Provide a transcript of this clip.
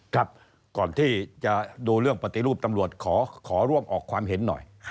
ครับก่อนที่จะดูเรื่องปฏิรูปตำรวจขอร่วมออกความเห็นหน่อย